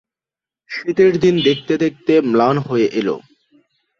শীতের দিন দেখতে দেখতে ম্লান হয়ে এল।